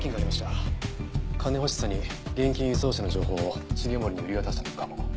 金欲しさに現金輸送車の情報を繁森に売り渡したのかも。